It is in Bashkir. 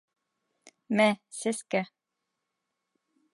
Мә сәскә!